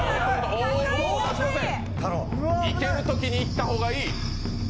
いけるときにいった方がいい。